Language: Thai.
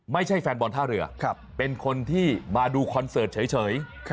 ไม่ใช่แฟนบอลท่าเรือเป็นคนที่มาดูคอนเสิร์ตเฉย